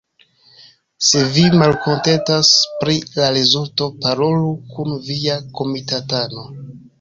Se vi malkontentas pri la rezulto, parolu kun via komitatano